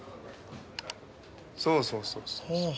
そうそうそうそうそう。